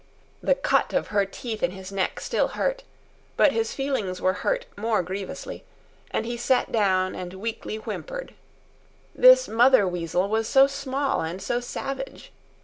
The cut of her teeth in his neck still hurt, but his feelings were hurt more grievously, and he sat down and weakly whimpered. This mother weasel was so small and so savage.